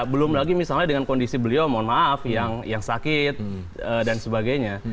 belum lagi misalnya dengan kondisi beliau mohon maaf yang sakit dan sebagainya